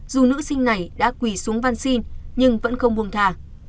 dù nữ sinh này đã quỳ xuống văn xin nhưng vẫn không buông thà